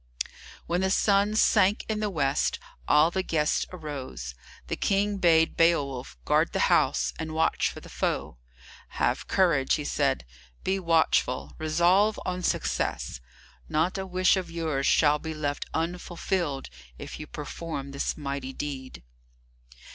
When the sun sank in the west, all the guests arose. The King bade Beowulf guard the house, and watch for the foe. "Have courage," he said, "be watchful, resolve on success. Not a wish of yours shall be left unfulfilled, if you perform this mighty deed."